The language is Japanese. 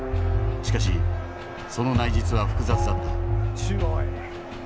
しかしその内実は複雑だった。